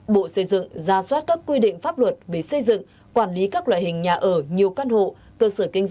bộ xây dựng ra soát các quy định pháp luật về xây dựng quản lý các loại hình nhà ở nhiều căn hộ